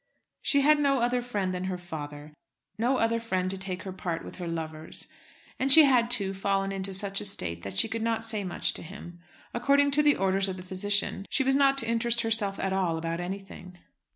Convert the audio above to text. She had no other friend than her father, no other friend to take her part with her lovers. And she had, too, fallen into such a state that she could not say much to him. According to the orders of the physician, she was not to interest herself at all about anything.